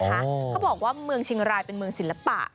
เขาบอกว่าเมืองเชียงรายเป็นเมืองศิลปะ